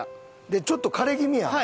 でちょっと枯れ気味やん。